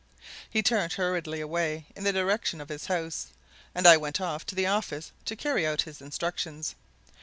He turned hurriedly away in the direction of his house, and I went off to the office to carry out his instructions.